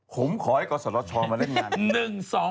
ขอให้ก่อสล็อตชอมาเล่นกัน